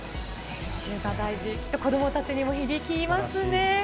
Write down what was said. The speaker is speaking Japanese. きっと子どもたちにも響きますね。